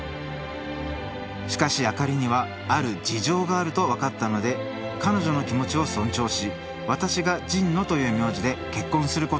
しかし明里にはある事情があると分かったので彼女の気持ちを尊重し私が「神野」という名字で結婚することを決意。